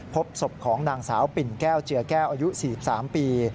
พบศพของนางสาวปิ่นแก้วเจือแก้วอายุ๔๓ปี